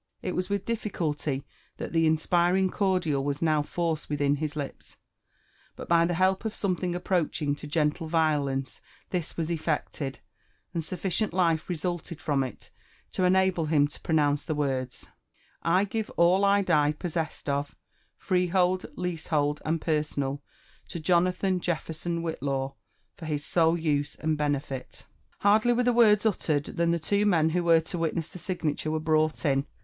It was with difficulty that the inspiring cordial was now forced wilhin his lips; but by the help of something approaching to gentle violence this was effected, and sufficient life re sulted from it to enable him to pronounce the words, " I give all I die possessed of, freehold, leasehold, and personal, to Jonathan Jeffer son Whillaw, for his sole use and benefft." Hardly were (he words uttered, than the two men who were to witness the signature were hrought in.